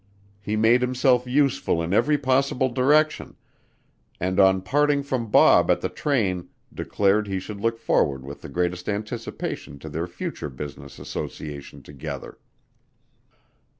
He made himself useful in every possible direction, and on parting from Bob at the train declared he should look forward with the greatest anticipation to their future business association together.